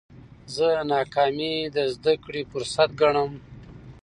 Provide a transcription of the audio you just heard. زه ناکامي د زده کړي فرصت ګڼم.